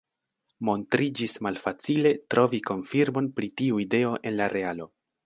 Montriĝis malfacile trovi konfirmon pri tiu ideo en la realo.